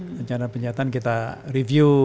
rencana penyihatan kita review